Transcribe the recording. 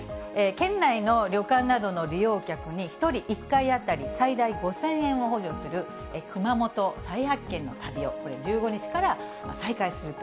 県内の旅館などの利用客に、１人１回あたり最大５０００円を補助するくまもと再発見の旅を、これ、１５日から再開すると。